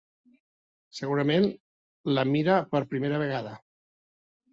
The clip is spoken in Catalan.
Segurament la mira per primera vegada.